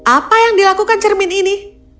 apa yang dilakukan cermin ini